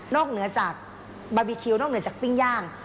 เหนือจากบาร์บีคิวนอกเหนือจากปิ้งย่าง